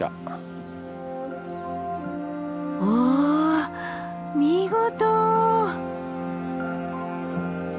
お見事！